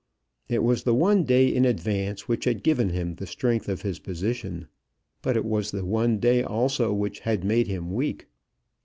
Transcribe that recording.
It was the one day in advance which had given him the strength of his position. But it was the one day also which had made him weak.